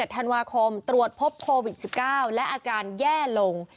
ธันวาคมตรวจพบโควิด๑๙และอาการแย่ลง